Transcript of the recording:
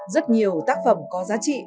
rất nhiều tác phẩm có giá trị